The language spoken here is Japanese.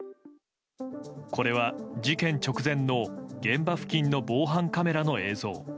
これは事件直前の現場付近の防犯カメラの映像。